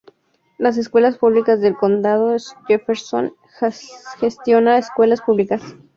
Las Escuelas Públicas del Condado Jefferson gestiona escuelas públicas.